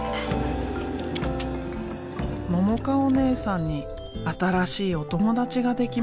ももかおねえさんに新しいお友達ができました。